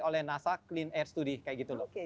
oleh nasa clean air study kayak gitu loh oke